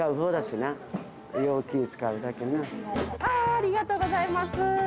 ありがとうございます。